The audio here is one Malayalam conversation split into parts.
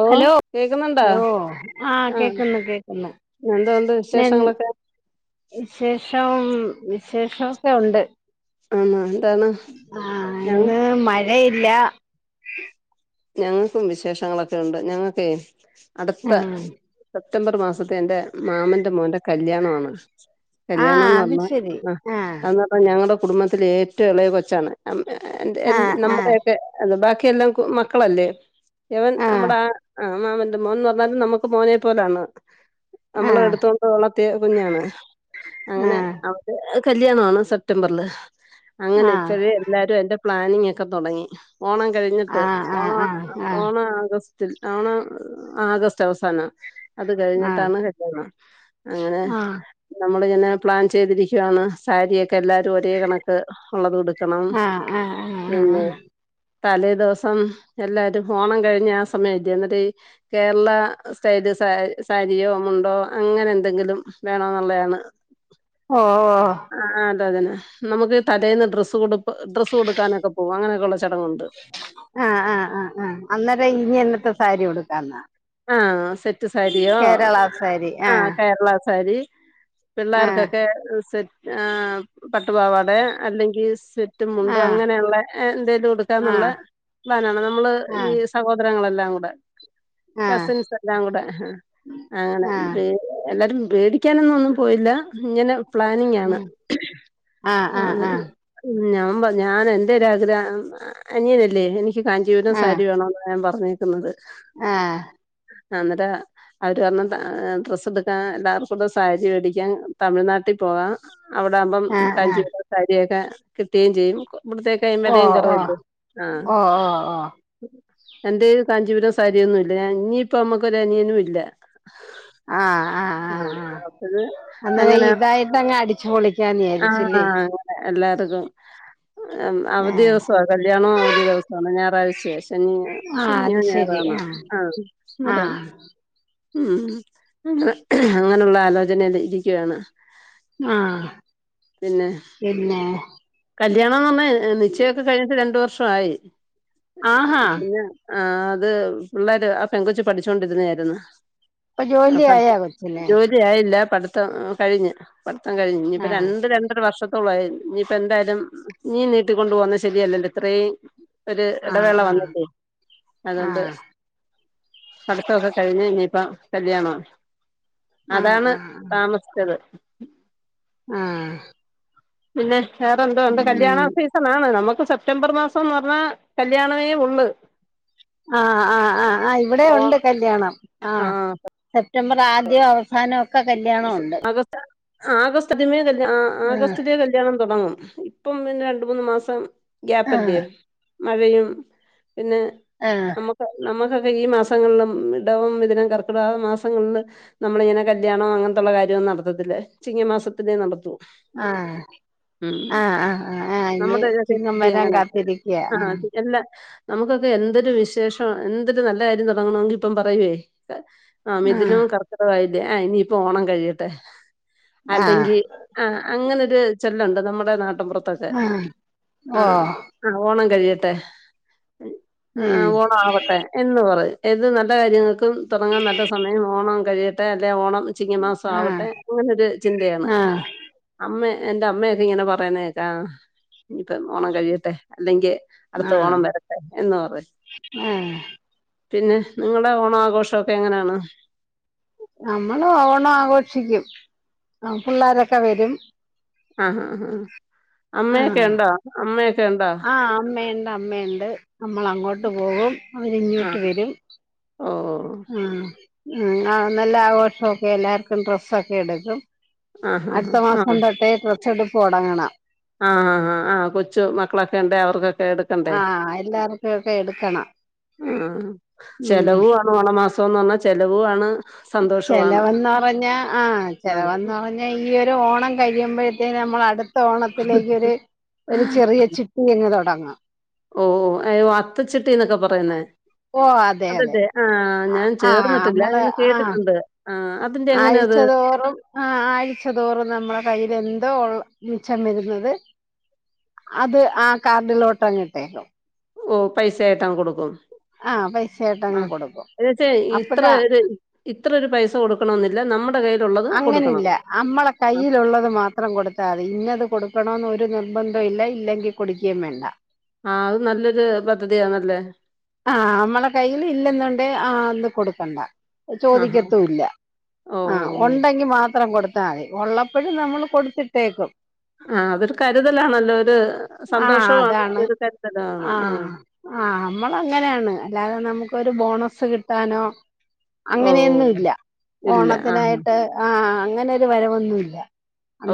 ഓ ഹലോ കേക്കുന്നുണ്ടോ ഹലോ ആഹ് കേക്കുന്നു കേക്കുന്നു എന്തോ ഒണ്ട് പിന്നെ വിശേഷങ്ങളൊക്കെ വിശേഷം വിശേഷൊക്കെ ഒണ്ട് ആന്നോ? എന്താണ്? ആ ഞങ്ങ ഇന്ന് മഴയില്ല ഞങ്ങക്കും വിശേഷങ്ങളൊക്കെയുണ്ട് ഞങ്ങക്കേ അടുത്ത ആഹ് സെപ്റ്റംബർ മാസത്ത് എന്റെ മാമന്റെ മോന്റെ കല്യാണമാണ് ആഹ് കല്യാണംന്ന് അത് പറഞ്ഞാ ശരി ആ ആഹ് അ പ്പം ഞങ്ങടെ കുടുംബത്തിലെ ഏറ്റവും എളയ കൊച്ചാണ് അം എ ഏ എന്റെ ആഹ് നമ്മുടെയൊക്കെ അതെ ബാക്കിയെല്ലാം കു മക്കളല്ലേ ഇവൻ ആഹ് നമ്മടെ ആ ആ മാമന്റെ മോൻ ന്ന് പറഞ്ഞാലും നമുക്ക് മോനെ പോലാണ് ആഹ് നമ്മളെടുത്തോ ണ്ട് വളർത്തിയാ കുഞ്ഞാണ് അങ്ങനെ ആഹ് അവന്റെ കല്യാണവാണ് സെപ്റ്റംബറില് അങ്ങനെ ആഹ് ഇപ്പഴേ എല്ലാരും അതിന്റെ പ്ലാനിങ്ങൊക്കെ തൊടങ്ങി ഓണം കഴിഞ്ഞിട്ട് ആഹ് ഓണാ ആഹ് ആഹ് ആഹ് ഓണം ആഗസ്റ്റിൽ ഓണം ആഗസ്റ്റ് അവസാനാ അത് ആഹ് കഴിഞ്ഞിട്ടാണ് കല്യാണം അങ്ങനെ ആഹ് ആഹ് ആഹ് നമ്മളിങ്ങനെ പ്ലാൻ ചെയ്തിരിക്കുവാണ് സാരിയൊക്കെ എല്ലാരും ഒരേ കണക്ക് ഒള്ളത് ഉടുക്ക ണം ആഹ് ആഹ് ആഹ് പിന്നെ തലേദിവസം സം എല്ലാരും ഓണം കഴിഞ്ഞ ആ സമയല്ലയോ ഇന്നിട്ട് കേരള സ്റ്റൈല് സാ സാരിയോ മുണ്ടോ അങ്ങനെന്തെങ്കിലും വേണോന്നുള്ളേയാണ് ഓഹ് ആ അതെ അതന്നെ നമുക്കീ തലേന്ന് ഡ്രസ്സ് കൊടുപ്പ് ഡ്രസ് കൊടുക്കാനൊക്കെ പോകും അങ്ങനൊക്ക ഒള്ള ചടങ്ങുണ്ട് ആഹ് ആഹ് ആഹ് ആഹ് അന്നേരം ഇനി എന്നത്തെ സാരിയുട്ക്കാന്നാ ആ സെറ്റ് സാരിയോ, സാരി ആ ആഹ് കേരള സാരി ആഹ് പിള്ളേർക്കൊക്കെ സെറ്റ് ആ പട്ടുപാവാടെയോ അല്ലെങ്കി സെറ്റും മുണ്ടും ആഹ് അങ്ങനെയുള്ള എന്തേലും ഉടുക്കാന്നുള്ള ആഹ് പ്ലാനാണ് നമ്മള് ഈ ആഹ് സഹോദരങ്ങളെല്ലാം കൂടെ ആഹ് കസിൻസെല്ലാം കൂടെ അങ്ങനെ ആഹ് ബേ എല്ലാരും വേടിക്കാനൊന്നൊന്നും പോയില്ല ഇങ്ങനെ ഉം പ്ലാനിങ്ങാണ് ആഹ് ആഹ് അനേരം ആഹ് ഉം ഞാ പ ഞാനെ എന്റൊരു ആഗ്രഹം അനിയനല്ലേ എനി ക്ക് കാഞ്ചീപുരം ആഹ് സാരി വേണോന്നാ ഞാൻ പറഞ്ഞേക്കുന്നത് ആഹ് ആ എന്ന്ട്ടാ അവര് പറഞ്ഞു താ ഡ്രസ്സെടുക്കാ എല്ലാർക്കുടെ സാരി വേടിക്കാം തമിഴ്നാട്ടി പോവാം അവിടാവുംമ്പം ആഹ് ആഹ് കാഞ്ചിപുരം സാരിയൊക്കെ കിട്ടേം ചെയ്യും ഇവിടത്തേ ട്ടേം ഓ വെലയും ഓ കൊറവല്ലേ? ആഹ് ഓ ഓ ഓ എന്റെല് കാഞ്ചീപുരം സാരിയൊന്നുവില്ല ഇഞ്ഞിപ്പൊ അമ്മക്കൊരു അനിയനും ഇല്ല ആഹ് അപ്പയ് അന്നേരം ഇതായിട്ടങ്ങ് അടിച്ചു പൊളിക്കാന്ന് വിയാരിച്ചില്ലേ? എല്ലാര്തും അവധി ആഹ് ദിവസാ കല്യാണം അവധി ദിവസാണ് ഞായറാഴ്ചയാ ശനി ഞായ ആഹ് അത് ശനിയോ, ഞായാറോ ശരി ആണ് ആഹ് അന്നരം ആഹ് ഉം അങ്ങനെ അങ്ങനെള്ള ആലോചനേല് ഇരിക്കാണ് ആഹ് പിന്നെ കല്യാണംന്ന് പർഞ്ഞാ നിശ്ചയൊക്കെ കഴിഞ്ഞിട്ട് രണ്ട് വർഷായി ആഹാ പിന്നെ ആ അത് പിള്ളേര് ആ പെങ്കൊച്ച് പഠിച്ചോണ്ടിരുന്നേയായിരുന്നു ഇപ്പൊ ആ ജോലിയായ പഠിത്തം കൊച്ചിന് ജോലിയായില്ല പഠിത്തം കഴിഞ്ഞ് പഠിത്തം കഴിഞ്ഞു ഞിപ്പൊ ആഹ് രണ്ട് രണ്ടര വർഷത്തോളായി ഇനി- പ്പ എന്തായാലും ഇനീ നീട്ടിക്കൊണ്ട് പോനത് ശരിയല്ലല്ലോ ഇത്രയും ഒരു ആഹ് ഇടവേള ആഹ് വന്ന്ട്ട് അതോണ്ട് ആഹ് പട്ത്തൊക്കെ കഴിഞ്ഞ് ഇനിയിപ്പ കല്യാണാണ് ആഹ് അതാണ് ആഹ് താമസിച്ചത് ആഹ് പിന്നെ വേറെന്തോണ്ട് ഉം കല്യാണൊ സി സനാണ് നമ്മക്ക് സെപ്റ്റംബർ മാസം ന്ന് ർഞ്ഞാ കല്യാണമേ ഉള്ള് അഹ ആഹ ആഹ ഇവിടെ ഓ ഉണ്ട് കല്യാണം ആഹ ആ സെപ്റ്റംബർ ആദ്യം അവസാനൊ സ് ആഗസ് ആഹ് ആഗസ്റ്റിലേ കല്ല്യാണം തുടങ്ങും ഇപ്പം പിന്നെ രണ്ട് മൂന്ന് മാസം ആഹ് ഗ്യാപ്പല്ലേ മഴയും പിന്നെ ഏഹ് നമ്മക്ക് നമുക്കൊക്കെ ഈ മാസങ്ങളില് ഇടവും മിഥുനം കർക്കിടക മാസങ്ങള്ല് നമ്മളിങ്ങനെ കല്യാണം അങ്ങനത്ത്ള്ള കാര്യോന്നും നടത്തത്തില്ല ചിങ്ങമാസത്തിലേ നടത്തൂ ആഹ് ഉം അ ആഹ് ആഹ് ആഹ് ഇഞ് നമ്മുടെ ഇതിനൊക്കെ ചിങ്ങം സ്ഥിതി വരാൻ അങ്ങനെ കാത്തിരിക്ക്യാ ആ ആഹ് എല്ലാ നമുക്കൊക്കെ എന്തൊരു വിശേഷം എന്തൊരു നല്ല കാര്യം തുടങ്ങണമെങ്കിൽ ഇപ്പം പറയെ ആ ആഹ് മിഥുനവും കർക്കിടായില്ലേ ആ ഇനിയിപ്പോ ഓണം കഴിയെട്ടെ ആഹ് അല്ലെങ്കി ആ അങ്ങനൊരു ചെല്ലുണ്ട് നമ്മടെ നാട്ടും പുറത്തൊക്കെ ആഹ് ആഹ് ഓഹ് ആ ഓണം കഴിയട്ടെ ആ ഉം ഓണം ആവട്ടെ എന്ന് പറയും ഏത് നല്ല കാര്യങ്ങൾക്കും തുടങ്ങാൻ നല്ല സമയം ഓണം കഴിയട്ടെ അല്ലെ ഓണം ചിങ്ങമാസം ആഹ് ആവട്ടെ അങ്ങനൊരു ചിന്തയാണ് ആഹ് അമ്മ എന്റെ അമ്മെ ഇങ്ങനെ പറയാനേക്കാ ആ ഇനിയിപ്പ ഓണം കഴിയട്ടെ അല്ലെങ്കെ അടുത്ത ഓണം ആഹ് വരട്ടെ എന്ന് പറയു ആഹ് പിന്നെ നിങ്ങടെ ഓണാഘോഷൊക്കെ എങ്ങനാണ് നമ്മള് ഓണാഘോഷിക്കും പിള്ളാരൊക്കെ വരും ആ ഹ് ഹ് അമ്മയൊക്കെ ഉണ്ടോ അമ്മയൊക്കെ ഉണ്ടാ ആ അമ്മയ്ണ്ട് അമ്മയ്ണ്ട് ണ്ട് നമ്മളങ്ങോട്ട് പോകും ആ. അവരിങ്ങോട്ട് വരും ഓ. ആഹ ഉ നല്ല ആഘോഷൊക്കെ എല്ലാർക്കും ഡ്രസ്സൊക്കെ എടുക്കും ആഹാഹാ. അട്ത്ത ആ മാസം തൊട്ടേ ഡ്രെസ്സെടുത്ത് തുടങ്ങണം അഹ ആഹ് ആഹ കൊച്ചു മക്കളൊക്കെ ഉണ്ട് അവർക്കൊക്കെ എടു ക്കണ്ടേ ആഹ് എല്ലാർക്കും ഒക്കെ എടുക്കണം ഉം ഉം ചെലവു ഓണ മാസോന്ന് പറഞ്ഞ ചെലവുആണ് ചെലവന്നറഞ്ഞ ആ ആഹ് ചെലവന്ന പറഞ്ഞ ഈ ഒരു ഓണം കഴിയുമ്പോഴത്തേന് നമ്മൾടുത് ത്ത ഓണത്തിലേക്ക് ഒരു ചെറിയ ചിട്ടി തന്നെ തുടങ്ങും ഓ ഓ ഏമ് അത്തച്ചിട്ടിന്നൊക്കെ പറയുന്നേ ഓഹ് അതെ അതെ അതതെ ആ ഞാൻ ആഹ് ചേർന്നിട്ടില്ല നമ്മള് ഞൻ ആഹ് കേട്ടിട്ടുണ്ട് ആ ആഴ്ചതോറും ആ ആഴ്ച തോറും നമ്മടെ കയ്യില് എന്തോ ഉള്ള മിച്ചം വരുന്നത് അത് ആ കാർഡിലോട്ടഅങ്ങ്ട്ടേക്കും ഓ പൈസായിട്ടാങ്ങ് കൊടുക്കും ആഹ് അ പൈസയായിട്ടങ്ങ് കൊടുക്കും എന്ന്ച്ച ഇത്ര അപ്പഴാ ഇത് ഇത്രൊരു പൈസ കൊടുക്കണെന്നില്ല നമ്മക് ന്ത കയ്യിലുള്ളത് കൊടുക്കണം അങ്ങനില്ല അമ്മളെ ആഹ് കയ്യിലുള്ളത് മാത്രം കൊടുത്താതി ഇന്നത് കൊടുക്കണന്ന് ഒരു നിർബന്തോഇല്ല ഇല്ലെങ്കി കൊടുക്കേം വേണ്ട ആ അത് നല്ലൊരു പദ്ധതിയാന്നല്ല ആ അമ്മളെ കയ്യിൽ ഇല്ലെന്നുണ്ടേ ആ അന്ന് കൊടുക്കണ്ട ആഹ് ആഹ് ചോദിക്കത്തുല്ല ഓഹ് ആ ഓഹ് ഉണ്ടെങ്കി മാത്രം കൊടുത്ത ആ അതെ ഒള്ളപ്പഴ് നമ്മള് കൊട്ത്തിട്ടേക്കും ആ അതൊരു കരുതലാണല്ലോ ഒരു ആഹ് സന്തോഷവും ആണ് ഒരു കരുതലാണ് ആ ആ അമ്മള് അങ്ങനെയാണ് അല്ലാതെ നമുക്കൊരു ബോണസ് കിട്ടാനോ ഓ അങ്ങനെയൊന്നും ഇല്ല ഇല്ല. ആ. ഓണത്തിനായിട്ട് ആ അങ്ങനെ ഒരു വരവൊന്നുല്ല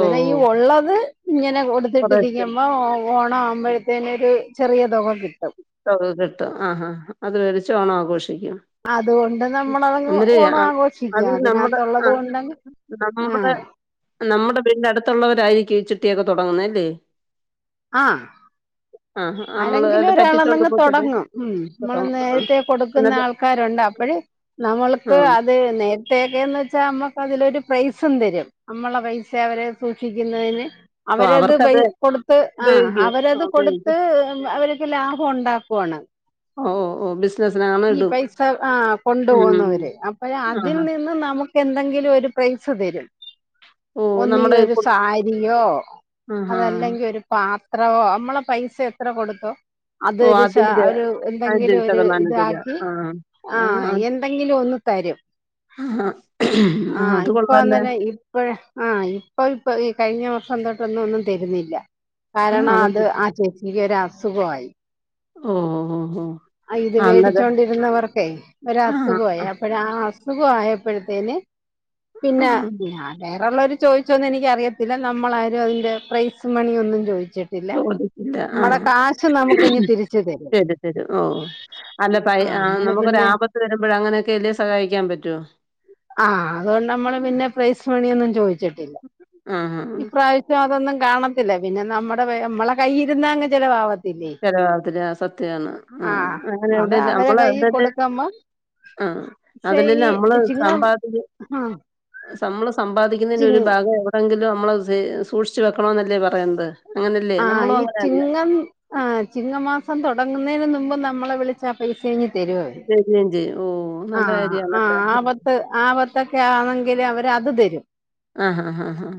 ഓ ഈ ഉള്ളത് ഇങ്ങനെ കുറേശ്ശെ കൊടുത്തിട്ടിരിക്കു മ്പ ഓ ഓണം ആവുമ്പോഴത്തേന് ഒരു ചെറിയ തുക കിട്ടും തൊക കിട്ടും ആഹാ അതു വേടിച്ച് ഓണം ആഘോഷിക്കും അതുകൊണ്ട് ഉം നമ്മളതങ്ങ് അന്നരേയ് ഓണം ആഘോഷിക്കുക അത് നമ്മുടെ ആ അതിനകത്തുള്ളത് കൊണ്ടങ്ങ് നമ്മുടെ ആഹ് നമ്മുടെ വീട്ന്റെ അടുത്തുള്ളവരായിരിക്കും ഈ ചിട്ടിയൊക്കെ തുടങ്ങുന്ന അല്ലേ ആഹ് ആഹ അമ്മള് അത് പറ്റിപ് അങ്ങ് തൊടങ്ങും ഉം നമ്മള് നേരത്തെ കൊടുക്കുന്ന എന്നിട്ട് ആൾക്കാരുണ്ട് അപ്പഴ് ആ. നമ്മൾക്ക് അത് നേര് രേഖയെന്ന് വെച്ചാ അമ്മക്ക് അതിലൊരു പ്രൈസും തരും അമ്മള പൈസ അവരെ സൂക്ഷിക്കുന്നതിന് ഓ അവരത് പൈ അവർക്കത് കൊടുത്ത് ആ ഉപയോഗിക്കും. ആ അവരത് കൊട് ഉപയോഗിക്കും. അവര്ക്ക് ലാഭം ഉണ്ടാക്കുവാണ് ഓ ഓ ഓ മിസ് ഈ പൈസ ആ കൊണ്ടു പോന്നവര് അപ്പയാ അതിൽ ആഹാ. നിന്ന് നമുക് ക്ക് എന്തെങ്കിലും ഒരു പ്രൈസ് തരും ഓ ഒന്നീ നമ്മുടെ ഒരു കു സാരിയോ ആഹാ. അതല്ലെങ്കി ഒരു പത്രവോ അമ്മള പൈസ എത്ര കൊടുത്തോ ഓ അതൊരു സ അതിന്റെ ഒരു അതിന്റെ എന്തെങ്കിലും ഒരു ശതമാനം ഇത് ആക് തരാ. ആ. ആ എന്തെങ്കിലും ഒന്ന് തരും ആ അത് കൊള്ളാ ലാ ഇപ്പഴ് ആ ഇപ്പൊ ഇപ്പൊ ഈ കഴിഞ്ഞ വർഷം തൊട്ടൊന്നും ഒന്നും തരുന്നില്ല കാരണം അത് ആ ചേച്ചിക്ക് ഒരു അസുഖമായി ഓ ഓ ഹോ ആ ഇത് വേടിച്ചോണ്ടിരുന്നവർക്കെ ഒര് ആഹ് അസുഖായി അപ്പഴ് ആ അസുഖ ആയപ്പഴത്തേന് പിന്നെ ആഹ് ഞാൻ വേറള്ളരു ചോയിച്ചോന്നും എനിക്കറിയത്തില്ല നമ്മള് ആരും അതിൻ്റെ പ്രൈസ് മണി ഒന്നും ചോദിച്ചിട്ട് ട്ടില്ല ചോദിച്ചില്ല അമ്മളെ ആഹ് കാശ് നമുക്ക് ഇങ്ങ് തിരിച്ചു തരും തരും ഓ അല്ല പ ആ നമ്മള് പിന്നെ നമുക്കൊരാപത്ത് വരുമ്പോഴ് അങ്ങനെയൊക്കെ അല്ലേ സഹായിക്കാൻ പറ്റുവോ ആ അതുകൊണ്ട് നമ്മള് പിന്നെ പ്രൈസ് മണിയൊന്നും ചോദിച്ചിട്ടില്ല ആഹ് ആഹ് ഈ പ്രാവശ്യ പം അതൊന്നും കാണത്തില്ല പിന്നെ നമ്മുടെ നമ്മളെ കയ്യിരുന്ന അങ്ങ് ചെലവാവ ചെലവാവത്തില്ലേ ആ സത്യാണ് ആ ഉം അങ്ങനെ അത് എവ്ടെല്ല അവരെ അമ്മള് കൈയിൽ എവ്ടെല്ലാ കൊടുക്കുമ്പോ ആ പക്ഷെ അതല്ലെ ഈ നമ്മള് ചിങ്ങം സമ്പാദിക് ആ നമ്മള് ചി സമ്പാദിക്കുന്നതിന്റെ ഒരു ഭാഗമാ മെങ്കിലും നമ്മള് സൂക്ഷിച്ച് വെക്കണം എന്നല്ലേ പറയുന്നത് അങ്ങനെയല്ലേ ആ നമ്മളും ഈ അങ്ങനെയല്ല ചിങ്ങം ആ ചിങ്ങമാസം തുടങ്ങുന്നതിന് മുമ്പ് നമ്മളെ വിളിച്ചാ ആ പൈസ ഇങ്ങ് തെരു തരുകയും ചെയ്യും ഓ നല്ല ആഹ് കാര്യാണല്ലേ ആഹ് അപ ത്ത് ആപത്തൊക്കെ ആണെങ്കില് അവര് അത് തെരും ആഹ് ആഹ് ആഹ് ആഹ്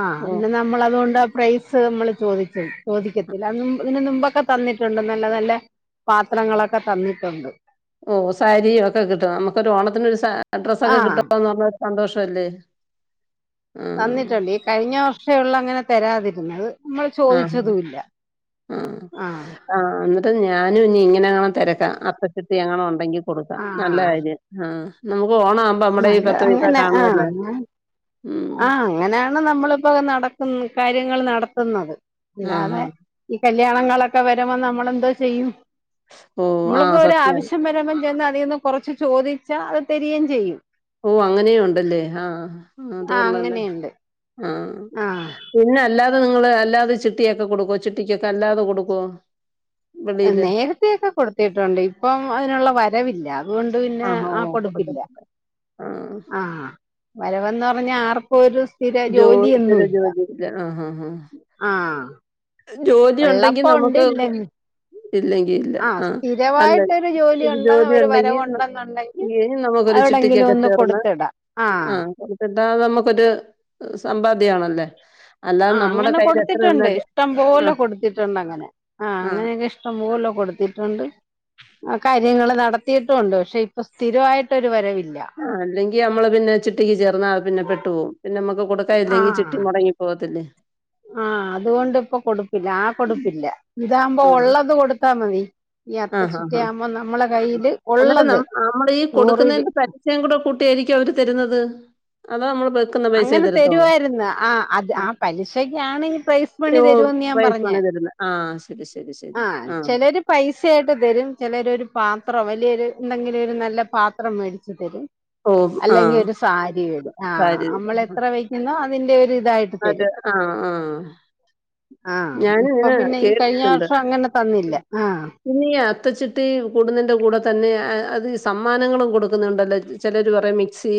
ആ ഓ പിന്നെ നമ്മളതുകൊണ്ട് പ്രൈസ് സ് നമ്മള് ചോദിക്കും ചോദിക്കത്തില്ല അന്ന് ഇതിന് ന്നുമ്പൊക്കെ തന്നിട്ടുണ്ട് നല്ല നല്ല പാത്രങ്ങളൊക്കെ തന്നിട്ടുണ്ട് ഓ സാരിയൊക്കെ കിട്ടും നമുക്കൊരോണത്തിന് ഒരു സാ ഡ്രസ്സൊക്കെ ആഹ് കിട്ടുവെന്ന് പറഞ്ഞ ഒരു സന്തോഷല്ലേ ആഹ്. തന്നിട്ടുണ്ട് ഈ കഴിഞ്ഞ വർഷേ ഒള്ളു അങ്ങനെ തെരാതിരുന്നത് നമ്മള് ആഹാ. ചോദിച്ചതൂല്ല ആഹ്. ആഹ് ആഹ് എന്നിട്ട് ഞാനും ഇനി ഇങ്ങനാണം തെരക്കാ അത്തച്ചുത്തി എങ്ങാണം ഒണ്ടെങ്കി കൊടുക്കാം നല്ല ആഹ് കാര്യം ആഹ് നമുക്ക് ഓണാവുംമ്പോ നമ്മടെ ഈ നല്ല പത്ത് പൈസ അങ്ങനെ ആഹ് കാണുവല്ലേ ഉം. ആഹ് അങ്ങനെയാണ് നമ്മളിപ്പോ നടക്കുന്ന കാര്യങ്ങൾ നടത്തുന്നത് ആഹാ. ഇല്ലാതെ ഈ കല്യാണങ്ങളൊക്കെ വെരുംമ്പോ നമ്മളെന്തോ ചെയ്യും. ഓഹ് നമ്മൾക്ക് ആഹ് സത്യാ. ഒരാവിശ്യം വെരുംമ്പോം ചെന്ന് അതീന്ന് കൊർച്ച് ചോദിച്ചാൽ അ തെരേം ചെയ്യും. ഓ അങ്ങനെയുണ്ടല്ലേ ആഹ്. അത് ആഹ് കൊള്ളാല്ലോ. അങ്ങനെയുണ്ട്. ആഹ് ആഹ് പിന്നെ അല്ലാതെ നിങ്ങള് അല്ലാതെ ചിട്ടിയൊക്കെ കൊടുക്കോ ചിട്ടിക്കൊക്കെ അല്ലാതെ കൊടുക്കോ. വെളിയില്? നേര്ത്തേയൊക്ക കൊടുത്തിട്ടുണ്ട് ഇപ്പം അതിനുള്ള വെരവില്ല. അതോണ്ട് പിന്നെ ആഹാ. ആ ഓഹ് കൊടുപ്പില്ല കൊടുക്കത്തില്ല. ആഹ്. ആഹ് വെരവെന്ന് പർഞ്ഞാ ആർക്കൊരു. ജോ ത്തര ജോലില്ലാഹ് ആഹ് ആഹ് ആഹ്. ആഹ് ജോലി ഒണ്ടെങ്കി ഉള്ളപ്പോ ഉണ്ട് നമുക്ക്. ഇല്ലെങ്കി ഇല്ലെങ്കി ഇല്ല ആഹ് അല്ല സ്ഥിരമായിട്ടൊരു ഉണ്ടെന്ന് ജോലി ഒരു ഒണ്ടെങ്കി നമ വരവുണ്ടെന്നുണ്ടെങ്കിൽ ഇയ്യെങ്കി നമുക്കൊരു എവിടെങ്കിലും ചിട്ടിക്കൊക്കെ ഒന്ന് ചേർന്ന് കൊടുത്തിടാം ആഹ് കിട്ടാതെ നമുക്കൊരു. സംമ്പാദ്യാണല്ലേ. ആഹ് അങ്ങനെ കൊടുത്തിട്ടുണ്ട് ഇഷ്ടം പോലെ ആഹ് കൊടുത്തിട്ടുണ്ട് അങ്ങനെ ആഹ് അങ്ങനെക്കെ ഇഷ്ടം പോലെ കൊടുത്തിട്ടൊണ്ട്. ആ കാര്യങ്ങള് നടത്തിയിട്ടൊണ്ട് പക്ഷെ ഇപ്പൊ സ്ഥിരായിട്ടൊരു വരവില്ല. ആ അല്ലെങ്കി നമ്മള് പിന്നെ ചിട്ടിക്ക് ചേർന്നാ അത് പിന്നെ പെട്ടു പോകും പിന്നമ്മക്ക് കൊടുക്കാനില്ലെങ്കിൽ ചിട്ടി ആഹ് മൊടങ്ങി പോവത്തില്ലെ. ആഹ് അതുകൊണ്ട് ഇപ്പൊ കൊടുപ്പില്ല ആ കൊടുപ്പില്ല ഇതാംമ്പോ ആഹ് ഒള്ളത് കൊടുത്താതി. ഈ അത്ത ആഹ് ആഹ് ആഹ്. ചിട്ടിയാവുംമ്പോ നമ്മളെ കൈൽ ഒള്ളത് നൂറ് ഇരു ച്ചേം കൂടെ കൂട്ടിയായിരിക്കും അവര് തെരുന്നത് അതാ നമ്മള് അങ്ങനെ തെരുവായിര്ന്നു ആ അത് ആ ആഹ്. പലിശക്കാണ് ഈ പ്രൈസ് മണി ഓഹ് വെരൂന്ന് ഞാൻ പൈസ പറഞ്ഞെ. ആണ് തരുന്നത്. ആഹ് ശരി ശരി ശരി ആ. ചെലര് പൈസയായിട്ട് തെരും ചെലര് ഒരു പാത്രം വലിയൊരു എന്തെങ്കിലും ഒരു നല്ല പാത്രം മേടിച്ച് തെരും. ഓഹ് ആഹ്. അല്ലെങ്കിൽ ഒരു സാരി ആ സാരി. നമ്മള് എത്ര വെക്കുന്നോ അതിന്റൊരിതായിട്ട്. അതെ ആഹ് ആഹ്. ആഹ് ഇപ്പൊ പിന്നെ ഈ കഴിഞ്ഞ കേട്ടിട്ടുണ്ട്. വർഷം അങ്ങനെ തന്നില്ല ആഹ്. പിന്നെ ഈ അത്തച്ചിട്ടി കൂടുന്നതിന്റെ കൂടെ തന്നെ അത് ഈ സമ്മാനങ്ങളും കൊടുക്കുന്നുണ്ടല്ലോ. ചെലര് പറയും മിക്സി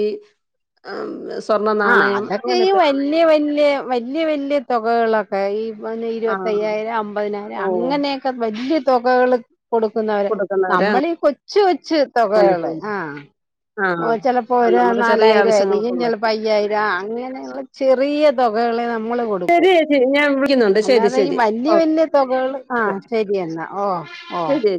സ്വർണ ആ നാണയം അതൊക്കെ ഈ അങ്ങനൊക്കെ. വല്യ വല്യ വല്യ വല്ല്യ തുക കളാ. ഈ ഇപ്പ ആ. ഇരുവത്തയ്യായിരം അമ്പതിനായിരം ഓ! അങ്ങനെക്കെ വല്യ തുക കള് കൊടുക്കുന്നവര് കൊടുക്കുന്നവരെ നമ്മളീ കൊച്ച് കൊച്ച് അങ്ങനെ തുകകള് ചെയ്യും. ആഹ് ആ. ഓ ആ. ചെലപ്പൊരു നമ്മുടെ ചെറിയ നാലായിരം ആയിരിക്കും ആവശ്യങ്ങൾക്കുള്ള ചെല അയ്യായിരൊ അങ്ങനെയുള്ള ചെറിയ തുകകളെ നമ്മൾ കൊ ശെരി ചേച്ചി ഞാൻ വിളിക്കുന്നുണ്ട് ശെരി ശെരി ഇനി വല്യയ തുകകള് ആഹ് ശരിയെന്നാ ഓ ഓ ശരി